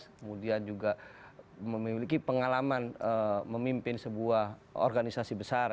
kemudian juga memiliki pengalaman memimpin sebuah organisasi besar